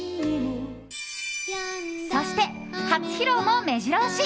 そして、初披露も目白押し！